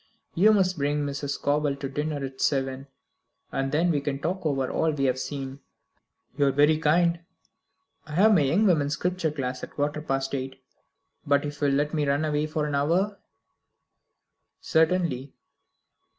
"You must bring Mrs. Scobel to dinner at seven, and then we can talk over all we have seen." "You are very kind. I've my young women's scripture class at a quarter past eight; but if you will let me run away for an hour " "Certainly."